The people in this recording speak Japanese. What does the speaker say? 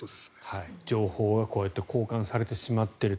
情報がこうやって交換されてしまっていると。